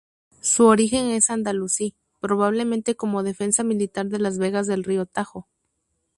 Su origen es andalusí, probablemente como defensa militar de las vegas del río Tajo.